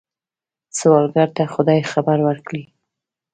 سوالګر ته خدای خیر ورکړي